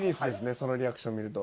そのリアクション見ると。